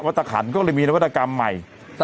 วัตกรรมก็เลยมีนวัตกรรมใหม่